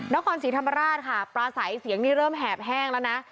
นครศรีธรรมราชค่ะปลาใสเสียงนี้เริ่มแหบแห้งแล้วนะ